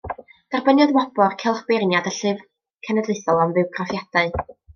Derbyniodd Wobr Cylch Beirniaid y Llyfr Cenedlaethol am Fywgraffiadau.